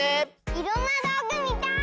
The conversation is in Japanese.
いろんなどうぐみたい！